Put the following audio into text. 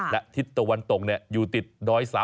และทิศตะวันตกอยู่ติด๑๓